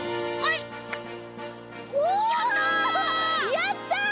やった！